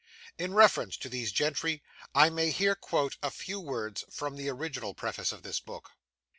In reference to these gentry, I may here quote a few words from the original preface to this book.